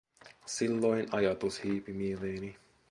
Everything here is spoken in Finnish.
Silloin ajatus hiipi mieleeni: